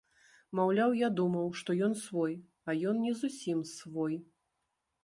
Маўляў, я думаў, што ён свой, а ён не зусім свой!